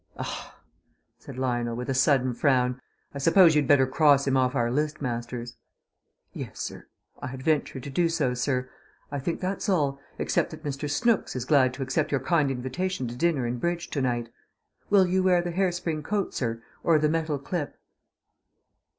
"Ah!" said Lionel, with a sudden frown. "I suppose you'd better cross him off our list, Masters." "Yes, sir. I had ventured to do so, sir. I think that's all, except that Mr. Snooks is glad to accept your kind invitation to dinner and bridge to night. Will you wear the hair spring coat, sir, or the metal clip?"